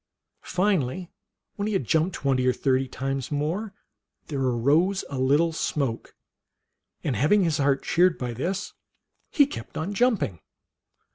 Finally, when he had jumped twenty or thirty times more, there arose a lit tle smoke, and, having his heart cheered by this, he kept on jumping.